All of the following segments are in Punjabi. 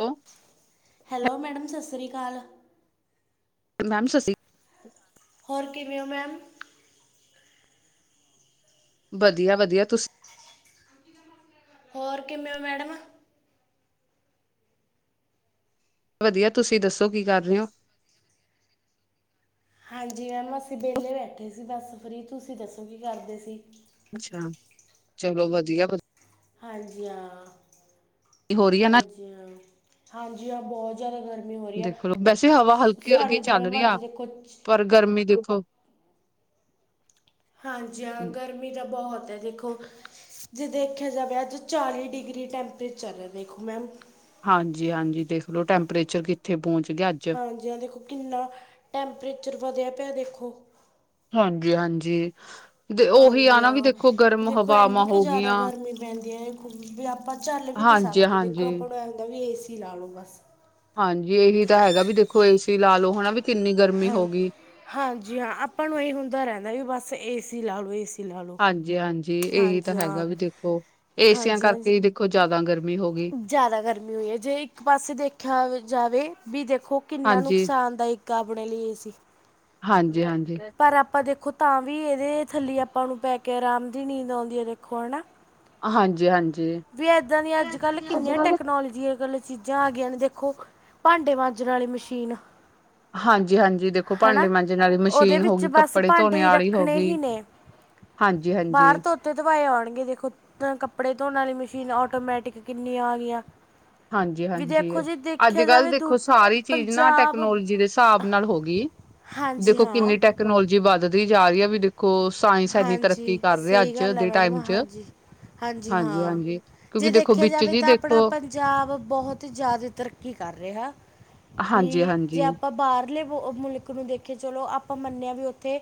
ਹੈਲੋ ਹੈਲੋ ਮੈਡਮ ਸਸਰੀ ਕਾਲ ਮੈਮ ਸੱਸੀ ਹੋਰ ਕਿਵੇਂ ਓ ਮੈਮ ਵਦੀਆ-ਵਦੀਆ ਤੁਸੀ ਹੋਰ ਕਿਵੇਂ ਓ ਮੈਡਮ ਵਦੀਆ ਤੁਸੀਂ ਦੱਸੋ ਕੀ ਕਰ ਰਹੇ ਔ ਹਾਂਜੀ ਮੈਮ ਅਸੀਂ ਵੇਹਲੇ ਬੈਠੇ ਸੀ ਬੱਸ ਫ੍ਰੀ ਤੁਸੀਂ ਦੱਸੋ ਕੀ ਕਰਦੇ ਸੀ ਅੱਛਾ ਚਲੋ ਵਧੀਆ ਹਾਂਜੀ ਆਂ, ਹੋ ਰਹੀ ਹੈ ਨਾ ਹਾਂਜੀ ਆਂ, ਹਾਂਜੀ ਬਹੁਤ ਜ਼ਿਆਦਾ ਗਰਮੀ ਹੋ ਰਹੀ ਐ ਦੇਖੋ ਵੈਸੇ ਹਵਾ ਹਲਕੀ ਹਲਕੀ ਸਾਡੇ ਤਾਂ ਚੱਲ ਮੈਮ ਰਹੀ ਅੱਜ ਆ ਦੇਖੋ ਪਰ ਗਰਮੀ ਦੇਖੋ ਹਾਂਜੀ ਹਾਂ ਗਰਮੀ ਤਾਂ ਬਹੋਤ ਹੈ ਦੇਖੋ ਜੇ ਦੇਖਆ ਜਾਵੇ ਅੱਜ ਚਾਲੀ ਡਿਗਰੀ ਟੈਂਪਰੇਚਰ ਐ ਦੇਖੋ ਮੈਮ ਹਾਂਜੀ-ਹਾਂਜੀ ਦੇਖ ਲੋ ਟੈਂਪਰੇਚਰ ਕਿੱਥੇ ਪਹੋਂਚ ਗਿਆ ਅੱਜ ਹਾਂਜੀ ਆਂ ਦੇਖੋ ਕਿੰਨਾ ਟੈਂਪਰੇਚਰ ਵਦਿਆ ਪਿਆ ਦੇਖੋ ਹਾਂਜੀ-ਹਾਂਜੀ ਹਾਂਜੀ ਹਾਂ ਦੇਖੋ ਏਨੀ ਕੁ ਹੋ ਜ਼ਿਆਦਾ ਗਈਆਂ ਗਰਮੀ ਪੈਂਦੀ ਏ ਬਇ ਆਪਾਂ ਝੱਲ ਵੀ ਨਹੀਂ ਹਾਂਜੀ ਸਕਦੇ ਦੇਖੋ ਹਾਂਜੀ ਆਪਾਂ ਨੂੰ ਇਹ ਹੁੰਦਾ ਵੀ ਏ-ਸੀ ਲਾ ਲਓ ਬਸ ਹਾਂਜੀ ਇਹੀ ਤਾਂ ਹੈਗਾ ਵੀ ਦੇਖੋ ਏਸੀ ਲਾ ਲਓ ਹੈਨਾ ਵੀ ਕਿੰਨੀ ਗਰਮੀ ਹਾਂ ਹੋ ਗਈ ਹਾਂਜੀ ਹਾਂ ਆਪਾਂ ਨੂੰ ਇਹ ਹੁੰਦਾ ਰਹਿੰਦਾ ਵੀ ਬਸ ਏਸੀ ਲਾ ਲਓ ਏਸੀ ਹਾਂਜੀ ਹਾਂਜੀ ਇਹੀ ਤਾਂ ਹੈਗਾ ਵੀ ਦੇਖੋ ਏਸੀਆਂ ਹਾਂਜੀ ਹਾਂਜੀ ਕਰਕੇ ਹੀ ਦੇਖੋ ਜ਼ਿਆਦਾ ਗਰਮੀ ਹੋ ਗਈ ਜ਼ਿਆਦਾ ਗਰਮੀ ਹੋਈ ਏ ਜੇ ਇੱਕ ਪਾਸੇ ਦੇਖਿਆ ਜਾਵੇ ਵੀ ਦੇਖੋ ਕਿੰਨਾ ਹਾਂਜੀ ਨੁਕਸਾਨਦਾਇਕ ਆਪਨੇ ਲਈ ਏਸੀ ਹਾਂਜੀ ਹਾਂਜੀ ਪਰ ਆਪਾਂ ਦੇਖੋ ਤਾਂ ਵੀ ਇਹਦੇ ਥੱਲੇ ਆਪਾਂ ਨੂੰ ਪੈ ਕੇ ਆਰਾਮ ਦੀ ਨੀਂਦ ਆਉਂਦੀ ਹੈ ਦੇਖੋ ਹੈਨਾ ਹਾਂਜੀ ਹਾਂਜੀ ਵੀ, ਏਦਾਂ ਦੀਆਂ ਅੱਜ-ਕੱਲ ਕਿੰਨੀਆਂ ਟੈਕਨੋਲੋਜੀਆ ਗਲ ਚੀਜ਼ਾਂ ਆ ਗਈਆਂ ਨੇ ਦੇਖੋ, ਭਾਂਡੇ ਮਾਂਜਣ ਵਾਲੀ ਮਸ਼ੀਨ। ਹਾਂਜੀ-ਹਾਂਜੀ, ਦੇਖੋ ਹਨਾ ਭਾਂਡੇ ਮਾਂਜਨ ਵਾਲੀ ਉਹਦੇ ਮਸ਼ੀਨ ਵਿੱਚ ਹੋਗੀ, ਬਸ ਕੱਪੜੇ ਭਾਂਡੇ ਧੋਣੇ ਹੀ ਵਾਲੀ ਰੱਖਣੇ ਹੋਗੀ। ਹੀ ਹਾਂਜੀ-ਹਾਂਜੀ। ਤੇ ਧਵਾਏ ਆਉਣਗੇ ਦੇਖੋ, ਕੱਪੜੇ ਧੋਣ ਵਾਲੀ ਮਸ਼ੀਨ ਆਟੋਮੈਟਿਕ ਕਿੰਨੀਆਂ ਆਗੀਆਂ। ਹਾਂਜੀ-ਹਾਂਜੀ, ਅੱਜ-ਕੱਲ ਦੁ- ਦੇਖੋ ਸਾਰੀ ਚੀਜ਼ ਨਾ ਪੰਜਾਬ ਟੈਕਨੋਲੋਜੀ ਦੇ ਸ੍ਹਾਬ ਨਾਲ ਹੋਗੀ। ਹਾਂਜੀ-ਹਾਂ ਕਿੰਨੀ ਟੈਕਨੋਲੋਜੀ ਵੱਧਦੀ ਜਾ ਰਹੀ ਆ, ਵੀ ਦੇ ਖੋ, ਸਾਇੰਸ ਇੰਨੀ ਤਰੱਕੀ ਹਾਂਜੀ ਕਰ ਰਿਹਾ ਸਹੀ ਅੱਜ ਗੱਲ ਹੈ ਦੇ ਮੈਡਮ ਟਾਇਮ'ਚ। ਹਾਂਜੀ ਹਾਂਜੀ ਹਾਂ ਹਾਂਜੀ-ਹਾਂਜੀ, ਜੇ ਕਿਉਂਕਿ ਦੇਖੋ ਦੇਖਿਆ ਵਿੱਚ ਜਾਵੇ ਜੀ ਤਾਂ ਆਪਣਾ ਦੇਖੋ ਪੰਜਾਬ ਬਹੁਤ ਜ਼ਿਆਦੇ ਤਰੱਕੀ ਕਰ ਰਿਹਾ, ਹਾਂਜੀ ਵੀ ਜੇ ਹਾਂਜੀ ਆਪਾ ਬਾਰ ਬਢਲੇ ਮੁਲਕ ਨੂੰ ਦੇਖੇ ਚਲੋ, ਆਪਾਂ ਮੰਨਨੇ ਆ, ਵੀ ਉੱਥੇ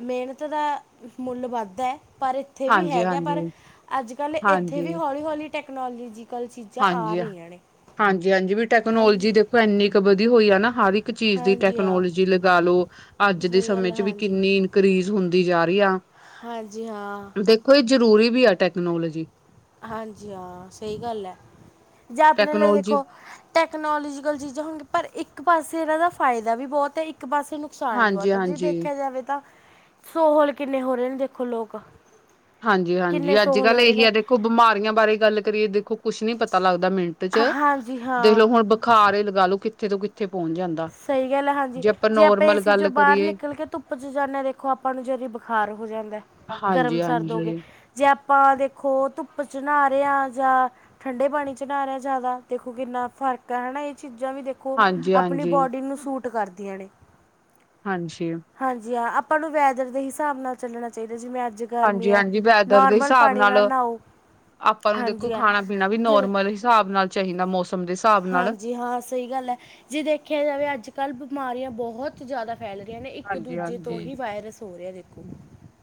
ਮਿਹਨਤ ਦਾ ਮੁੱਲ ਵੱਧਦੈ, ਪਰ ਇੱਥੇ ਵੀ ਹਾਂਜੀ ਹੈਗਾ ਪਰ ਹਾਂਜੀ ਅੱਜ-ਕੱਲ ਇੱਥੇ ਹਾਂਜੀ ਵੀ ਹੌਲੀ-ਹੌਲੀ ਟੈਕਨੋਲੋਜੀਕਲ ਚੀਜ਼ਾਂ ਆ ਹਾਂਜੀ ਰਹੀਆਂ ਨੇ। ਹਾਂਜੀ-ਹਾਂਜੀ, ਵੀ ਟੈਕਨੋਲਜੀ ਹਾਂਜੀ ਦੇਖੋ ਇੰਨੀ ਕੁ ਵਧੀ ਹੋਈ ਆ ਨਾ, ਹਰ ਇੱਕ ਚੀਜ਼ ਦੀ ਹਾਂਜੀ ਹਾਂ ਟੈਕਨੋਲੋਜੀ ਲਗਾਲੋ ਅੱਜ ਦੇ ਸਹੀ ਗੱਲ ਹੈ ਸਮੇਂ'ਚ, ਵੀ ਹਾਂਜੀ ਕਿੰਨੀ ਇਨਕਰੀਜ਼ ਹੁੰਦੀ ਜਾ ਰਹੀ ਆ। ਹਾਂਜੀ-ਹਾ। ਦੇਖੋ ਇਹ ਜ਼ਰੂਰੀ ਵੀ ਆ, ਟੈਕਨੋਲੋਜੀ। ਹਾਂਜੀ-ਹਾਂ, ਸਹੀ ਗੱਲ ਐ, ਜਾਂ ਆਪਣੇ ਲਈ ਟੈਕਨੋਲੋਜੀ ਦੇਖੋ ਟੈਕਨੋਲੋਜੀਕਲ ਚੀਜ਼ਾਂ ਹੋਣਗੀ, ਪਰ ਇੱਕ ਪਾਸੇ ਇਹਨਾ ਦਾ ਫਾਇਦਾ ਵੀ ਬਹੁਤ ਏ, ਇੱਕ ਪਾਸੇ ਨੂੰ ਨੁਕਸਾਨ ਵੀ ਬਹੁਤ ਆ, ਜੇ ਹਾਂਜੀ-ਹਾਂਜੀ ਦੇਖਿਆ ਜਾਵੇ ਤਾਂ ਸੋਹਲ ਕਿੰਨੇ ਹੋ ਰਹੇ ਨੇ ਦੇਖੋ ਲੋਕ। ਹਾਂਜੀ-ਹਾਂਜੀ, ਕਿੰਨੇ ਸੋਹਲ ਅੱਜ-ਕੱਲ ਹੋ ਰਹੇ ਇਹੀ ਨੇ ਆ ਦੇਖੋ ਬਿਮਾਰੀਆਂ ਬਾਰੇ ਗੱਲ ਕਰੀਏ ਦੇਖੋ ਕੁਛ ਨੀ ਪਤਾ ਲੱਗਦਾ ਮਿੰਟ'ਚ, ਹਾਂਜੀ ਦੇਖਲੋ ਹਾਂ ਹੁਣ ਬੁਖਾਰ ਲਗਾਲੋ ਕਿੱਥੇ ਤੋਂ ਕਿੱਥੇ ਪਹੁੰਚ ਜਾਂਦਾ। ਸਹੀ ਗੱਲ ਐ, ਹਾਂਜੀ। ਜੇ ਆਪਾਂ ਨੋਰਮਲ ਏਸੀ'ਚੋ ਗੱਲ ਬਾਹਰ ਕਰੀਏ ਨਿਕਲ ਕੇ ਧੁੱਪ'ਚ ਜਾਂਨੇੇ ਆ, ਦੇਖੋ ਆਪਾਂ ਨੂੰ ਜਰੀ ਬੁਖਾਰ ਹੋ ਜਾਂਦੈ। ਗਰਮ-ਸਰਦ ਹੋਗੇ, ਹਾਂਜੀ-ਹਾਂਜੀ ਜੇ ਆਪਾਂ ਦੇਖੋ ਧੁੱਪ'ਚ ਨ੍ਹਾਰੇ ਆ, ਜਾਂ ਠੰਡੇ ਪਾਣੀ'ਚ ਨਾ ਰਿਹਾ ਜ਼ਾਦਾ, ਦੇਖੋ ਕਿੰਨਾ ਫਰਕ ਹੈ ਹਨਾ ਇਹ ਚੀਜ਼ਾਂ ਵੀ ਦੇ ਖੋ, ਆਪਣੀ ਹਾਂਜੀ-ਹਾਂਜੀ ਬੋਡੀ ਨੂੰ ਸੂਟ ਕਰਦੀਆਂ ਨੇ। ਹਾਂਜੀ। ਹਾਂਜੀ-ਹਾ, ਆਪਾਂ ਨੂੰ ਵੈਦਰ ਦੇ ਹਿਸਾਬ ਨਾਲ ਚੱਲਣਾ ਚਾਹੀਦਾ, ਜਿਵੇਂ ਅੱਜ ਗਰਮੀ ਆ ਹਾਂਜੀ-ਹਾਂਜੀ, ਵੈਦਰ ਦੇ ਨੋਰਮਲ ਹਿਸਾਬ ਪਾਣੀ ਨਾਲ, ਨਹਾਓ ਆਪਾਂ ਨੂੰ ਦੇਖੋ ਹਾਂਜੀ ਹਾਂ ਖਾਣਾ-ਪੀਣਾ ਵੀ ਨੋਰਮਲ ਸ੍ਹਾਬ ਨਾਲ। ਚਾਹੀਦਾ, ਮੌਸਮ ਦੇ ਹਿਸਾਬ ਨਾਲ। ਹਾਂਜੀ-ਹਾਂ, ਸਹੀ ਗੱਲ ਐ, ਜੇ ਦੇਖਿਆ ਜਾਵੇ ਅੱਜ-ਕੱਲ ਬਿਮਾਰੀਆਂ ਬਹੋਤ ਜ਼ਿਆਦਾ ਫੈਲ ਰੀਆਂ ਨੇ, ਹਾਂਜੀ ਇੱਕ-ਦੂਜੇ ਤੋਂ ਹਾਂਜੀ। ਹੀ ਵਾਇਰਸ ਹੋ ਰਿਹਾ ਦੇਖੋ।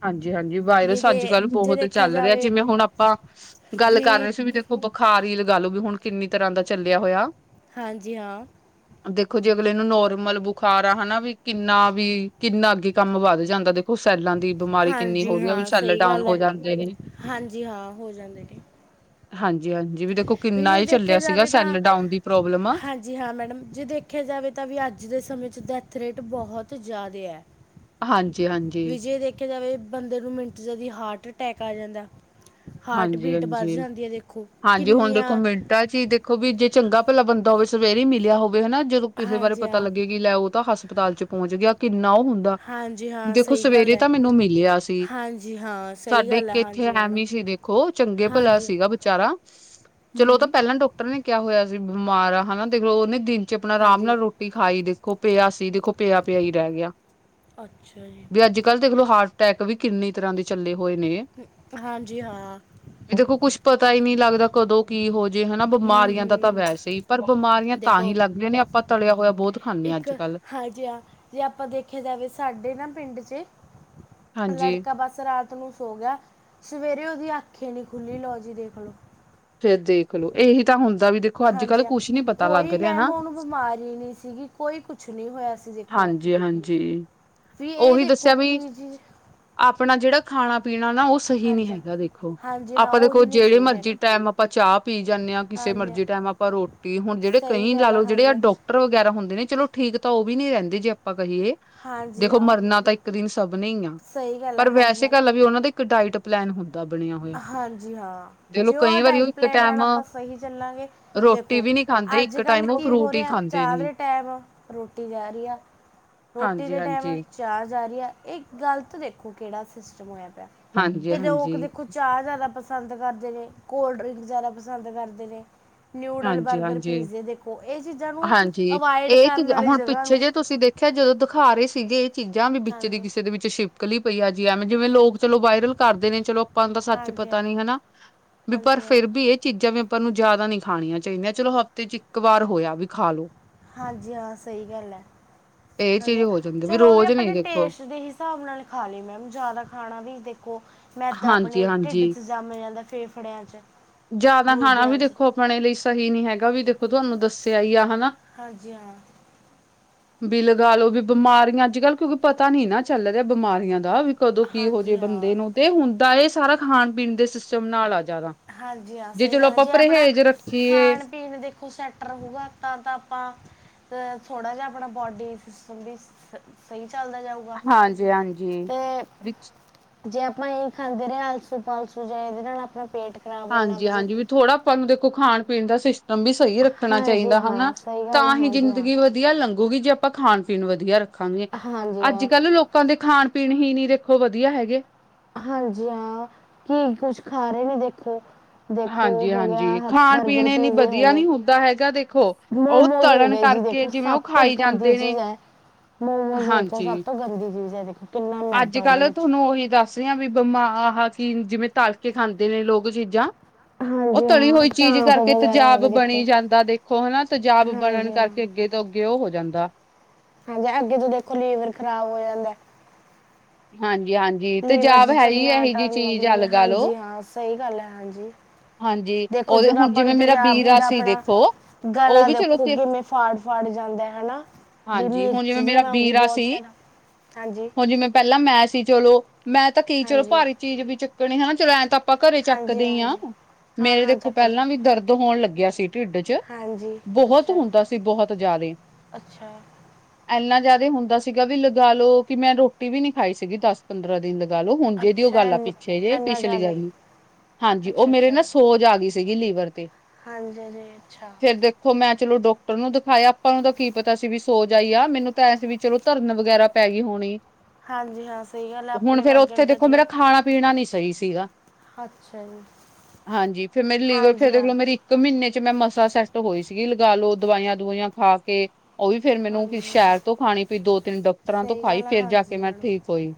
ਹਾਂਜੀ-ਹਾਂਜੀ, ਨਹੀਂ ਵਾਇਰਸ ਦੇ ਅੱਜ-ਕੱਲ ਜੇ ਬਹੁਤ ਦੇਖਿਆ ਚੱਲ ਰਿਹਾ, ਜਾਵੇ ਜਿਵੇਂ ਹੁਣ ਆਪਾਂ ਗੱਲ ਕਰ ਰਹੇ ਸੀ ਵੀ ਉਹ ਬਖਾਰ ਈ ਲਗਾਲੋ, ਵੀ ਹੁਣ ਕਿੰਨੀ ਤਰ੍ਹਾਂ ਦਾ ਚੱਲਿਆ ਹੋਇਆ। ਹਾਂਜੀ ਹਾਂ ਦੇਖੋ ਜੇ ਅਗਲੇ ਨੂੰ ਨੋਰਮਲ ਬੁਖਾਰ ਆ, ਹਨਾ ਵੀ ਕਿੰਨਾ ਵੀ ਕਿੰਨਾ ਅੱਗੇ ਕੰਮ ਵੱਧ ਜਾਂਦਾ, ਦੇਖੋ ਸੈਲਾਂ ਦੀ ਬਮਾਰੀ ਕਿੰਨੀ ਹਾਂਜੀ ਹੋਗੁ ਆ, ਵੀ ਹਾਂ ਸੈਲ ਸਹੀ ਡਾਊਨ ਗੱਲ ਹੋ ਹੈ ਜਾਂਦੇ ਨੇ। ਹਾਂਜੀ ਹਾਂ ਹੋ ਜਾਂਦੇ ਨੇ ਹਾਂਜੀ-ਹਾਂਜੀ, ਵੀ ਦੇਖੋ ਵੀ ਕਿੰਨਾ ਜੇ ਹੀ ਦੇਖਿਆ ਚੱਲਿਆ ਸੀਗਾ ਸੈਲ ਡਾਊਨ ਦੀ ਪ੍ਰੋਬਲਮ। ਜੀ ਹਾਂ ਮੈਡਮ, ਜੇ ਦੇਖਿਆ ਜਾਵੇ ਤਾਂ ਵੀ ਅੱਜ ਦੇ ਸਮੇਂ 'ਚ ਡੈਥ ਰੇਟ ਬਹੁਤ ਜ਼ਿਆਦੇ ਆ। ਹਾਂਜੀ-ਹਾਂਜੀ, ਵਿਜੇ ਦੇਖਿਆ ਜਾਵੇ, ਬੰਦੇ ਨੂੰ ਮਿੰਟ'ਚ ਜਦੀ ਹਾਰਟ ਅਟੈਕ ਆ ਜਾਂਦਾ। ਹਾਰਟ ਬੀਟ ਬੱਧ ਜਾਂਦੀ ਆ, ਦੇਖੋ। ਜੇ ਹੁਣ ਦੇਖੋ ਕਿੰਨੀਆਂ ਮਿੰਟਾਂ'ਚ ਹੀ ਦੇਖੋ, ਵੀ ਜੇ ਚੰਗਾ ਭਲਾ ਬੰਦਾ ਹੋਵੇ ਸਵੇਰੇ ਹੀ ਮਿਲਿਆ ਹੋਵੇ, ਹਨਾ? ਜਦੋਂ ਕਿਸੇ ਬਾਰੇ ਹਾਂਜੀ ਪਤਾ ਹਾਂ ਲੱਗੇ ਕਿ ਲੈ ਉਹ ਤਾਂ ਹਸਪਤਾਲ ਚ ਪਹੁੰਚ ਗਿਆ, ਕਿੰਨਾ ਉਹ ਹੁੰਦਾ ਹਾਂਜੀ ਹਾਂ ਸਹੀ ਗੱਲ ਸਵੇਰੇ ਹੈ ਤਾਂ ਮੈਨੂੰ ਮਿਲਿਆ ਸੀ। ਹਾਂਜੀ ਹਾਂ ਸਹੀ ਸਾਡੇ ਗੱਲ ਹੈ ਇੱਕ ਇੱਥੇ ਹਾਂਜੀ ਐਮੇ ਮੈਡਮ ਹੀ ਸੀ ਦੇਖੋ ਖੋ ਚੰਗੇ ਭਲਾ ਹਾਂਜੀ ਸੀਗਾ ਵਿਚਾਰਾ, ਚਲੋ ਉਹ ਤਾਂ ਹੂੰ ਪਹਿਲਾਂ ਡਾਕ ਡਾਕਟਰ ਨੇ ਕਿਹਾ ਹੋਇਆ ਸੀ ਬਿਮਾਰ ਆ, ਹਨਾ ਦੇਖ ਲੋ ਉਹਨੇ ਦਿਨ ਆਪਣਾ ਆਰਾਮ ਹਾਂਜੀ ਨਾਲ ਰੋਟੀ ਖਾਈ ਦੇਖੋ ਪਿਆ ਸੀ, ਦੇਖੋ ਪਿਆ-ਪਿਆ ਈ ਰਹਿ ਗਿਆ। ਅੱਛਾ ਜੀ। ਵੀ ਅੱਜ ਕੱਲ੍ਹ ਦੇਖਲੋ ਹਾਰਟ-ਅਟੈਕ ਵੀ ਕਿੰਨੀ ਤਰ੍ਹਾਂ ਦੇ ਚੱਲੇ ਹੋਏ ਨੇ। ਹਾਂਜੀ ਹਾਂ। ਵੀ ਦੇਖੋ ਕੁੱਛ ਪਤਾ ਹੀ ਨਹੀਂ ਲੱਗਦਾ। ਕਦੋਂ ਕੀ ਹੋ ਜੇ ਹਨਾ ਹੂੰ ਬਿਮਾਰੀਆਂ ਦਾ ਤਾਂ ਹੂੰ ਵੈਸੇ ਹੀ ਪਰ ਬਿਮਾਰੀਆਂ ਤਾਂ ਹੀ ਦੇਖੋ ਲੱਗਦੀਆਂ ਨੇ ਆਪਾਂ ਤਲਿਆ ਹੋਇਆ ਬਹੁਤ ਖਾਂਦੇ ਆ ਇੱਕ ਅੱਜ ਕੱਲ੍ਹ। ਹਾਂਜੀ ਹਾ। ‌ ਜੇ ਆਪਾਂ ਦੇਖਿਆ ਜਾਵੇ ਸਾਡੇ ਨਾ ਪਿੰਡ'ਚ ਹਾਂਜੀ ਲੜਕਾ ਬਸ ਰਾਤ ਨੂੰ ਸੋ ਗਿਆ ਸਵੇਰੇ ਉਹਦੀ ਅੱਖੀ ਈ ਨਹੀਂ ਖੁੱਲ੍ਹੀ‌‌। ਲਓ ਜੀ ਦੇਖ ਲਓ। ਫੇਰ ਦੇਖਲੋ, ਇਹੀ ਤਾਂ ਹੁੰਦਾ ਵੀ ਦੇ ਹਾਂਜੀ ਹਾ। ਕੋਈ ਮੈਮ ਉਹਨੂੰ ਬਿਮਾਰੀ ਨਹੀਂ ਸੀਗੀ, ਕੋਈ ਕੁਛ ਨਹੀਂ ਹੋਇਆ ਸੀ। ਦੇਖੋ ਹਾਂਜੀ- ਹਾਂਜੀ। ਵੀ ਇਹ ਉਹੀ ਦੇਖੋ ਦੱਸਿਆ ਕਿ ਵੀ ਜੀ ਆਪਣਾ ਜਿਹੜਾ ਖਾਣਾ ਪੀਣਾ ਨਾ ਉਹ ਸਹੀ ਨੀ ਹਾਂਜੀ ਹਾਂ ਹੈਗਾ। ਦੇਖੋ, ਹਾਂਜੀ ਹਾਂ ਆਪਾਂ ਦੇਖੋ ਉਹੀ ਨਹੀਂ ਜਿਹੜੇ ਸਹੀ ਮਰਜ਼ੀ ਹੈਗਾ ਟਾਈਮ ਆਪਾਂ ਚਾਹ ਪੀ ਜਾਂਨੇ ਆਂ, ਕਿਸੇ ਹਾਂਜੀ ਹਾਂ, ਮਰਜ਼ੀ ਟਾਈਮ ਆਪਾਂ ਰੋਟੀ, ਹੁਣ ਜਿਹੜੇ ਸਹੀ ਕਈ ਲਾ ਗੱਲ ਹੈ ਲਓ ਜਿਹੜੇ ਆ ਹਾਂਜੀ ਹਾਂ ਡੋਕ ਟਰ ਵਗੈਰਾ ਹੁੰਦੇ ਨੇ, ਚਲੋ ਠੀਕ ਤਾਂ ਉਹ ਵੀ ਨੀ ਰਹਿੰਦੇ ਜੇ ਆਪਾਂ ਕਹੀਏ ਹਾਂਜੀ ਦੇਖੋ, ਹਾਂ ਮਰਨਾ ਤਾਂ ਇੱਕ ਦਿਨ ਸਭ ਨੇ ਹੀ ਆ ਸਹੀ ਗੱਲ ਹੈ ਪਰ ਹਾਂਜੀ ਵੈਸੇ ਹਾਂ ਗੱਲ ਆ ਵੀ ਉਹਨਾਂ ਦੇ ਇੱਕ ਡਾਇਟ ਪਲੈਨ ਹੁੰਦਾ ਬਣਿਆ ਹੋਇਆ। ਹਾਂਜੀ ਹਾਂ ਚਲੋ ਜੇ ਆਹ ਕਈ ਵਾਰੀ ਉਹ ਡਾਇਟ ਇੱਕ ਪਲਾਨ ਨਾਲ ਟੈਮ ਆਪਾਂ ਸਹੀ ਚੱਲਾਂਗੇ ਰੋਟੀ ਦੇਖੋ ਵੀ ਨਹੀਂ ਖਾਂਦੇ, ਅੱਜ ਇੱਕ ਕੱਲ੍ਹ ਟਾਈਮ ਉਹ ਕੀ ਹੋ ਫਰੂਟ ਹੀ ਰਿਹਾ ਖਾਂਦੇ ਚਾਹ ਨੇ। ਦੇ ਟਾਈਮ ਰੋਟੀ ਜਾ ਰਹੀ ਆ। ਰੋਟੀ ਦੇ ਟਾਈਮ ਹਾਂਜੀ-ਹਾਂਜੀ, ਚਾਹ ਜਾ ਰਹੀ ਆ। ਇਹ ਗ਼ਲਤ ਦੇਖੋ ਕਿਹੜਾ ਸਿਸਟਮ ਹੋਇਆ ਪਿਆ, ਤੇ ਲੋਕ ਹਾਂਜੀ-ਹਾਂਜੀ, ਦੇ ਚਾਹ ਜ਼ਿਆਦਾ ਪਸੰਦ ਕਰਦੇ ਨੇ, ਕੋਲਡ ਡਰਿੰਕ ਜ਼ਿਆਦਾ ਪਸੰਦ ਕਰਦੇ ਨੇ ਨਿਊਡਲ, ਬਰਗਰ, ਹਾਂਜੀ-ਹਾਂਜੀ, ਪੀਜ਼ੇ ਦੇਖੋ ਇਹ ਚੀਜ਼ਾਂ ਨੂੰ ਹਾਂਜੀ। ਅਵਾੋਇਡ ਇਹ ਕਰਨ ਚੀਜ਼ ਵਾਲੀ ਹੁਣ ਜਗ੍ਹਾ ਪਿੱਛੇ ਨੂੰ ਜੇ ਤੁਸੀਂ ਦੇਖਿਆ ਜਦੋਂ ਦਿਖਾ ਰਹੇ ਸੀਗੇ ਇਹ ਚੀਜ਼ਾਂ ਵੀ ਵਿੱਚ ਦੀ ਹਾਂਜੀ ਕਿਸੇ ਦੇ ਵਿੱਚਿ ਛਿੱਪ ਕਲੀ ਪਈ ਆ ਜੀ। ਐਵੇਂ ਜਿਵੇਂ ਲੋਕ ਚਲੋ ਵਾਇਰਲ ਕਰਦੇ ਨੇ ਚਲੋ ਆਪਾਂ ਨੂੰ ਤਾਂ ਸੱਚ ਹੀ ਹਾਂਜੀ ਪਤਾ ਹਾਂ ਨੀ ਹਨਾ? ਵੀ ਪਰ ਹਾਂਜੀ ਹਾਂ ਫੇਰ ਵੀ ਇਹ ਚੀਜ਼ਾਂ ਵੀ ਆਪਾਂ ਨੂੰ ਜ਼ਿਆਦਾ ਨੀ ਖਾਣੀਆਂ ਚਾਹੀਦੀਆਂ। ਚਲੋ ਹਫ਼ਤੇ ਚ ਇੱਕ ਵਾਰ ਹੋਇਆ ਵੀ ਖਾ ਲੋ। ਹਾਂਜੀ ਹਾਂ ਸਹੀ ਗੱਲ ਇਹ ਚੀਜ਼ ਹੈ। ਹੋ ਜਾਂਦੀ ਚਲੋ ਉਹ ਵੀ ਰੋਜ਼ ਆਪਾਂ ਨੀ ਨੇ ਦੇਖੋ ਟੇਸਟ ਦੇ ਹਿ ਹਿਸਾਬ ਨਾਲ ਖਾ ਲਏ। ਮੈਮ, ਜਿਆਦਾ ਖਾਣਾ ਵੀ ਦੇਖੋ ਮੈਂਦਾਂ ਆਪਣੇ ਹਾਂਜੀ-ਹਾਂਜੀ। ਢਿੱਡ'ਚ ਜੰਮ ਜਾਂਦਾ ਫੇਫੜਿਆਂ'ਚ ਜ਼ਿਆਦਾ ਖਾਣਾ ਵੀ ਦੇਖੋ ਆਪਣੇ ਲਈ ਸਹੀ ਨੀ ਹੈਗਾ ਵੀ ਦੇਖੋ ਤੁਹਾਨੂੰ ਦੱਸਿਆ ਹੀ, ਆ ਹੈ ਨਾ? ਹਾਂਜੀ ਹਾਂ। ਵੀ ਲਗਾ ਲਓ ਵੀ ਬਿਮਾਰੀਆਂ ਅੱਜ ਕੱਲ ਕਿਉਂਕਿ ਪਤਾ ਨੀ ਨਾ ਚੱਲ ਰਿਹਾ ਬਿਮਾਰੀਆਂ ਦਾ ਵੀ ਕਦੋਂ ਕੀ ਹੋ ਜੇ ਹਾਂਜੀ ਹਾਂ ਬੰਦੇ ਨੂੰ, ਤੇ ਹੁੰਦਾ ਇਹ ਸਾਰਾ ਖਾਣ ਪੀਣ ਦੇ ਸਿਸਟਮ ਨਾਲ ਆ ਜ਼ਿਆਦਾ। ਹਾਂਜੀ ਹਾਂ ਸਹੀ ਚਲੋ ਗੱਲ ਹੈ। ਆਪਾਂ ਜੇ ਆਪਣਾ ਪਰਹੇਜ਼ ਰੱਖੀਏ ਖਾਣ ਪੀਣ ਦੇਖੋ ਸੈਟ ਰਹੂਗਾ ਤਾਂ- ਤਾਂ ਆਪਾਂ ਤੇ ਥੋੜਾ ਜਿਹਾ ਆਪਣਾ ਬੋਡੀ ਸਿਸਟਮ ਵੀ ਸ ਸਹੀ ਚੱਲਦਾ ਜਾਊਗਾ। ਹਾਂਜੀ ਹਾਂਜੀ। ਤੇ ਵਿੱਚ ਜੇ ਆਪਾਂ ਇਹੀ ਖਾਂਦੇ ਰਹੇ ਆਲਸੂ ਪਲਸੂ ਜਾਂ ਇਹਦੇ ਨਾਲ ਆਪਣਾ ਪੇਟ ਖਰਾਬ ਹੋਣ ਲੱਗ ਜੂ ਹਾਂਜੀ-ਹਾਂਜੀ ਵੀ ਥੋੜ੍ਹਾ ਆਪਾਂ ਨੂੰ ਦੇਖੋ ਖਾਣ ਪੀਣ ਦਾ ਸਿਸਟਮ ਵੀ ਸਹੀ ਰੱਖ ਣਾ ਹਾਂਜੀ ਚਾਹੀਦਾ ਹਨਾ? ਹਾਂ, ਸਹੀ ਗੱਲ ਹੈ, ਤਾਂ ਹੀ ਹਾਂਜੀ ਹਾਂ। ਜ਼ਿੰਦਗੀ ਵ ਧੀਆ ਲੰਘੂਗੀ ਜੇ ਆਪਾਂ ਖਾਣ-ਪੀਣ ਵਧੀਆ ਰੱਖਾਂਗੇ। ਹਾਂਜੀ ਹਾਂ, ਅੱਜ-ਕੱਲ ਲੋਕ ਲੋਕਾਂ ਦੀ ਖਾਣ-ਪੀਣ ਹੀ ਨੀ ਦੇਖੋ ਵਧੀਆ ਹੈਗੇ। ਹਾਂਜੀ ਹਾਂ ਕੀ ਕੁਝ ਖਾ ਰਹੇ ਨੀ ਦੇਖੋ ਦੇਖੋ ਹੋ ਹਾਂਜੀ-ਹਾਂਜੀ ਗਿਆ ਖਾਣ ਬਰਗਰ ਪੀਣ ਨੀ ਪੀਜ਼ੇ ਹੋ ਵਧੀਆ ਗਏ ਨੀ ਹੁੰਦਾ ਹੈਗਾ ਦੇਖੋ ਉਹ ਮੋਮੋਜ ਹੋ ਤਲਣ ਗਏ ਜੀ, ਕਰਕੇ ਦੇਖੋ ਜਿਵੇਂ ਸਭ ਉਹ ਤੋਂ ਖਾਈ ਗੰਦੀ ਜਾਂਦੇ ਨੇ ਚੀਜ਼ ਹੈ, ਮੋਮੋਜ਼ ਦੇਖੋ ਸਭ ਹਾਂਜੀ ਤੋਂ ਗੰਦੀ ਚੀਜ਼ ਹੈ। ਕਿੰਨਾ ਅੱਜ ਮੈਦਾ ਉਹਦੇ ਕੱਲ ਵਿੱਚ। ਤੁਹਾਨੂੰ ਉਹੀ ਦੱਸ ਸ ਵੀ ਬਿਮ ਆਹ ਕਿ ਜਿਵੇਂ ਤਲਕੇ ਖਾਂਦੇ ਨੇ ਲੋਕ ਚੀਜ਼ਾਂ ਹਾਂ। ਉਹ ਤਲੀ ਹੋਈ ਚੀਜ਼ ਚਾਂਪ ਕਰਕੇ ਵਗੈਰਾ ਹੋ ਤਜ਼ਾਬ ਗਏ ਬਣੀ ਦੇਖੋ। ਜਾਂਦਾ ਦੇਖੋ ਹਨਾ ਤਜ਼ਾਬ ਬਣਨ ਹਾਂਜੀ ਹਾਂ, ਕਰਕੇ ਅੱਗੇ ਅੱਗੇ ਉਹ ਹੋ ਜਾਂਦਾ ਹਾਂਜੀ, ਅੱਗੇ ਤੋਂ ਦੇਖੋ ਲੀਵਰ ਖ਼ਰਾਬ ਹੋ ਜਾਂਦਾ। ਹਾਂਜੀ, ਹਾਂਜੀ ਲੀਵਰ ਤੇਜਾਬ 'ਚ ਹੈ ਹੀ ਇਹੀ ਚਕਨਾਹਟ ਜੀ ਆਉਣ ਚੀਜ਼ ਲੱਗ ਆ ਜਾਂਦੀ ਲਗਾ ਲੋ। ਹਾਂਜੀ ਹਾਂ, ਸਹੀ ਗੱਲ ਹੈ, ਹਾਂਜੀ ਹਾਂਜੀ ਦੇਖੋ ਉਹਦੇ ਜਦੋਂ ਹੁਣ ਆਪਾਂ ਜਿਵੇਂ ਨੂੰ ਮੇਰਾ ਤੇਜ਼ਾਬ ਵੀਰਾ ਹੁੰਦਾ ਸੀ ਆਪਣਾ ਦੇਖੋ ਉਹ ਗਲਾਾਂ ਵੀ ਚਲੋ ਦੇਖੋ ਤੇ ਕਿਵੇਂ ਫਾੜ ਫਾੜ ਜਾਂਦੈ ਹਨਾ। ਵੀ ਹਾਂਜੀ ਹੁਣ ਮਿਰਚ ਜਿਵੇਂ ਜੀ ਮੇਰਾ ਵਾਂਗੂ ਵੀਰਾ ਬਹੁਤ ਸੀ ਜ਼ਿਆਦਾ, ਹਾਂਜੀ ਹੁਣ ਜਿਵੇਂ ਪਹਿਲਾਂ ਮੈਂ ਸੀ ਚਲੋ, ਮੈਂ ਤਾਂ ਕਹੀ ਚਲੋ ਹਾਂਜੀ ਭਾਰੀ ਚੀਜ਼ ਵੀ ਚੱਕਣੀ ਹਨਾ ਚਲੋ ਐਂ ਤਾਂ ਆਪਾਂ ਘਰੇ ਹਾਂਜੀ ਚੱਕਦੇਈ ਹਾਂ, ਹਾਂਜੀ ਹਾਂ ਮੇਰੇ ਹਾਂ ਦੇਖੋ ਚੱਕਦੇ ਪਹਿਲਾਂ ਹਾਂ ਵੀ ਦਰਦ ਹੋਣ ਲੱਗਿਆ ਸੀ। ਢਿੱਡ ਚ, ਹਾਂਜੀ ਬਹੁਤ ਅੱਛਾ ਹੁੰਦਾ ਸੀ ਬਹੁਤ ਜ਼ਿਆਦਾ ਹੀ। ਅੱਛਾ ਇੰਨਾ ਜਿਆਦਾ ਹੁੰਦਾ ਸੀਗਾ ਵੀ ਲਗਾ ਲੋ, ਕਿ ਮੈਂ ਰੋਟੀ ਵੀ ਨੀ ਖਾਈ ਸੀਗੀ ਦਸ ਪੰਦਰਾਂ ਦਿਨ। ਗੱਲ ਹੁਣ ਜੇਦੀ ਉਹ ਅੱਛਾ ਗੱਲ ਆ ਇੰਨ- ਪਿੱਛੇ ਜੇ ਇੰਨਾ ਪਿਛਲੀ ਜ਼ਿਆਦਾ ਗੱਲ ਨੀ ਹਾਂਜੀ ਉਹ ਅੱਛਾ ਮੇਰੇ ਨਾ ਅੱਛਾ ਸੋਜ ਆ ਗਈ ਸੀਗੀ ਲੀਵਰ ਤੇ ਹਾਂਜੀ ਜੀ ਅੱਛਾ। ਫੇਰ ਦੇਖੋ ਮੈਂ ਚਲੋ ਡਾਕਟਰ ਨੂੰ ਦਿਖਾਇਆ ਆਪਾਂ ਨੂੰ ਤਾਂ ਕੀ ਪਤਾ ਸੀ ਵੀ ਸੋਜ ਆਈ ਆ ਮੈਨੂੰ ਤਾਂ ਐ ਸੀ ਵੀ ਚਲੋ ਧਰਨ ਵਗੈਰਾ ਪੈ ਗਈ ਹੋਣੀ। ਹਾਂਜੀ ਹਾਂ ਸਹੀ ਗੱਲ ਹੈ ਹੁਣ ਆਪਣੇ ਫੇਰ ਵਰਗੇ ਉੱਥੇ ਨੂੰ ਤਾਂ ਦੇਖੋ ਚਲੋ ਮੇਰਾ ਖਾਣਾ ਪੀਣਾ ਨੀ ਸਹੀ ਸੀਗਾ। ਅੱਛਾ ਜੀ। ਹਾਂਜੀ, ਫੇਰ ਮੇਰੀ ਲੀਵਰ ਹਾਂਜੀ ਹਾਂ ਫਿਰਰ ਇਕ ਮਹੀਨੇ ਚ ਮੈਂ ਮਸਾਂ ਸੈਟ ਹੋਈ ਸੀਗੀ, ਲਗਾ ਲੋੋ ਦਵਾਈਆਂ ਦਵਾਈਆਂ ਖਾ ਕੇ ਉਹ ਵੀ ਫੇਰ ਮੈਨੂੰ ਹਾਂਜੀ ਸ਼ਹਿਰ ਹਾਂ ਤੋਂ ਖਾਣੀ ਪਈ ਦੋ ਤਿੰਨ ਦਫ਼ਤਰਾਂ ਤੋਂ ਸਹੀ ਖਾਈ ਗੱਲ ਹੈ ਫੇਿਰ ਜਾ ਕੇ ਹਾਂਜੀ ਮੈਂ ਮੈਡਮ ਠੀਕ ਹੋਈ।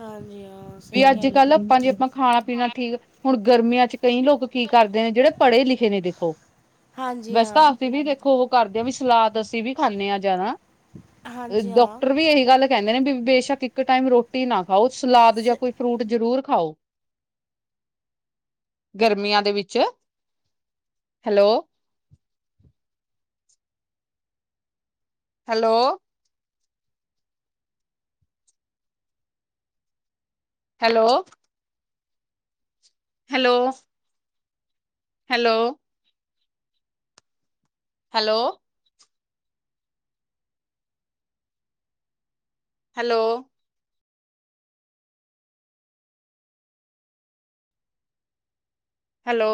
ਹਾਂਜੀ, ਹਾਂ ਵੀ ਸਹੀ ਅੱਜ ਗੱਲ ਕੱਲ੍ਹ ਆਪਾਂ ਜੇ ਆਪਾਂ ਹੈ। ਖਾਣਾ ਪੀਣਾ ਠੀਕ ਹੁਣ ਗਰਮੀਆਂ ਚ ਕਈ ਲੋਕ ਕੀ ਕਰਦੇ ਨੇ ਜਿਹੜੇ ਪੜ੍ਹੇ ਲਿਖੇ ਨੇ ਦੇਖੋ ਹਾਂਜੀ ਵੈਸ ਹਾਂ ਤਾਂ ਅਂ ਵੀ ਦੇਖੋ ਉਹ ਕਰਦੇ ਆ ਵੀ ਸਲਾਦ ਅਸੀਂ ਵੀ ਖਾਂਦੇ ਹਾਂ ਜਿਆਦਾ। ਹਾਂਜੀ ਹਾਂ ਡਾਕਟਰ ਵੀ ਇਹੀ ਗੱਲ ਕਹਿੰਦੇ ਨੇ ਵੀ ਬੇਸ਼ੱਕ ਇੱਕ ਟਾਈਮ ਰੋਟੀ ਨਾ ਖਾਓ ਸਲਾਦ ਜਾਂ ਸ ਕੋਈ ਫਰੂਟ ਜ਼ਰੂਰ ਖਾਓ। ਗਰਮੀਆਂ ਦੇ ਵਿੱਚ। Hello hello hello hello hello hello hello hello